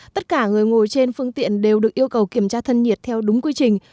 tất cả người ngồi trên phương tiện đều được yêu cầu kiểm tra thân nhiệt theo đúng quy trình